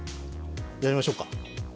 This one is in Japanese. やりましょうか？